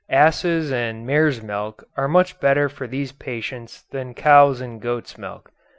Asses' and mares' milk are much better for these patients than cows' and goats' milk.